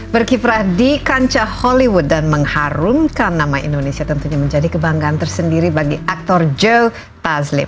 berkiprah di kancah hollywood dan mengharumkan nama indonesia tentunya menjadi kebanggaan tersendiri bagi aktor joe taslim